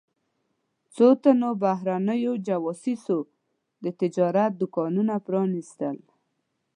څو تنو بهرنیو جواسیسو د تجارت دوکانونه پرانیستل.